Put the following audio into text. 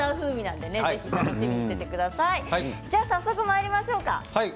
では早速まいりましょうか。